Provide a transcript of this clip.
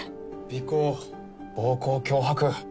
尾行暴行脅迫。